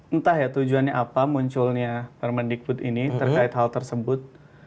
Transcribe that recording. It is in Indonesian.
entah ya tujuannya apa munculnya permendikbud ini terkait hal tersebut